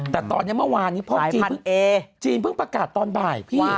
แต่ตอนนี้เมื่อวานพ่อจีนเพิ่งประกาศตอนบ่าย